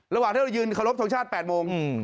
ระหว่างที่เรายืนเคารพทงชาติ๘โมง